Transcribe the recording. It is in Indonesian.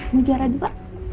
mau juara dua